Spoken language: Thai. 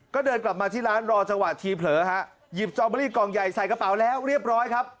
ก็เดินกลับมาที่ร้านรอจังหวะทีเผลอฮะหยิบสตอเบอรี่กล่องใหญ่ใส่กระเป๋าแล้วเรียบร้อยครับ